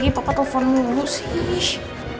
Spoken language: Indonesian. ih papa telepon mulu sih